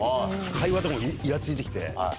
会話とかもイラついてきて。